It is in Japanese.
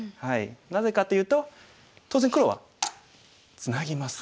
なぜかというと当然黒はツナぎます。